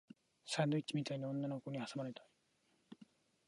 サンドイッチみたいに女の子に挟まれたい